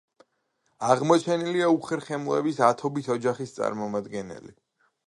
აღმოჩენილია უხერხემლოების ათობით ოჯახის წარმომადგენელი.